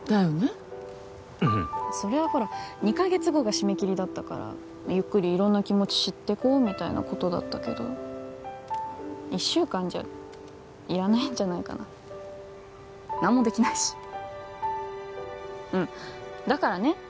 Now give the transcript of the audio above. うんそれはほら２カ月後が締め切りだったからゆっくり色んな気持ち知ってこうみたいなことだったけど１週間じゃいらないんじゃないかな何もできないしうんだからね